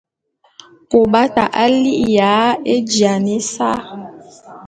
Kôbata a li'iya éjiane ésa.